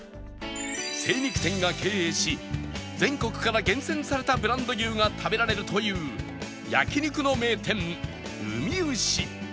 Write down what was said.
精肉店が経営し全国から厳選されたブランド牛が食べられるという焼肉の名店ウミウシ